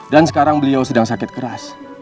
dan sekarang beliau sedang sakit keras